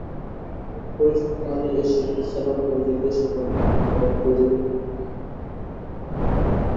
পরিচিত মালী এসে সেলাম করে জিজ্ঞাসা করলে, ঘর খুলে দেব কি।